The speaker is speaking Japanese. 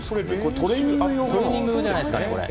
トレーニング用じゃないですかね。